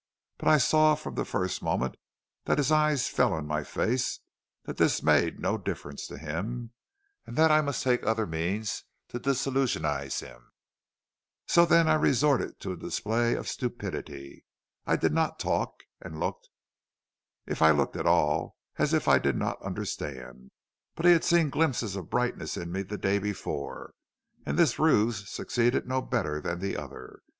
But I saw from the first moment that his eyes fell on my face that this made no difference to him, and that I must take other means to disillusionize him. So then I resorted to a display of stupidity. I did not talk, and looked, if I looked at all, as if I did not understand. But he had seen glimpses of brightness in me the day before, and this ruse succeeded no better than the other.